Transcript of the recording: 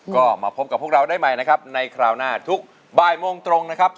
ก็มาพบกับพวกเราได้ใหม่นะครับในคราวหน้าทุกบ่ายโมงตรงนะครับ